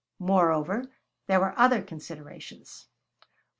Moreover, there were other considerations.